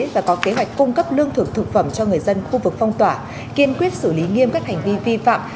và có kế hoạch cung cấp lương thực thực phẩm cho người dân khu vực phong tỏa kiên quyết xử lý nghiêm các hành vi vi phạm